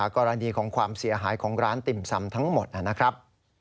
กรณีของความเสียหายของร้านติ่มซำทั้งหมดนะครับ